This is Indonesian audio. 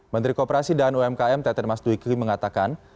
menteri kooperasi dan umkm teten mas dwi krim mengatakan